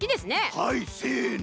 はいせの。